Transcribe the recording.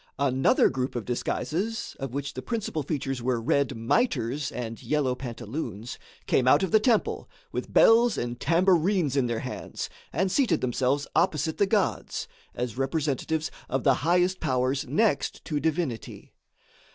Another group of disguises of which the principal features were red mitres and yellow pantaloons came out of the temple, with bells and tambourines in their hands, and seated themselves opposite the gods, as representatives of the highest powers next to divinity.